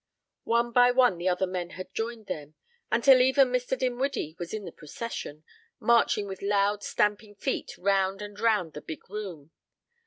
One by one the other men had joined them, until even Mr. Dinwiddie was in the procession, marching with loud stamping feet round and round the big room.